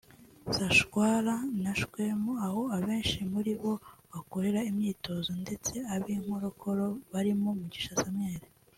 Sashwara na Shwemu aho abenshi muri bo bakorera imyitozo ndetse ab’inkorokoro barimo Mugisha Samuel